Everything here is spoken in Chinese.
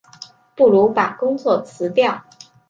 不如把工作辞掉